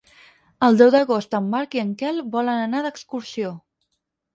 El deu d'agost en Marc i en Quel volen anar d'excursió.